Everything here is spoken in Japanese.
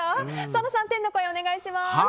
佐野さん、天の声お願いします。